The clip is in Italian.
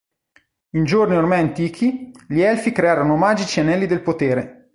In giorni ormai antichi, gli Elfi crearono magici anelli del potere.